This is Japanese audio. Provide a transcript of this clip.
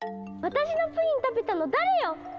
私のプリン食べたの誰よ！